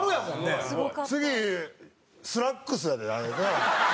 次スラックスやであれな。